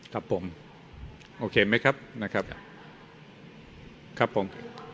ครับผมโอเคไหมครับนะครับครับผม